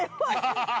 ◆ハハハハ！